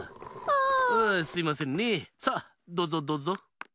あすいませんねさあどぞどぞ。